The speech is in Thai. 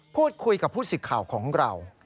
พูดคุยกับผู้สิทธิ์ข่าวของเรา